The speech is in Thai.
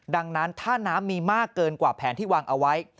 ดังนั้นถ้าน้ำมีมากเกินกว่าแผนที่วางเอาไว้